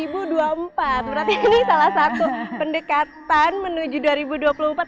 berarti ini salah satu pendekatan menuju dua ribu dua puluh empat